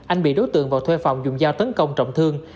anh bị đối tượng vào thuê phòng dùng dao tấn công trọng thương